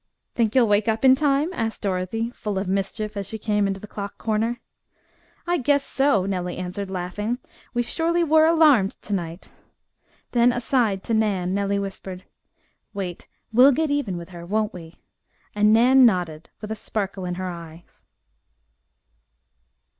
"Think you'll wake up in time?" asked Dorothy, full of mischief as she came into the clock corner. "I guess so," Nellie answered, laughing. "We surely were alarmed to night." Then aside to Nan, Nellie whispered: "Wait, we'll get even with her, won't we?" And Nan nodded with a sparkle in her eyes.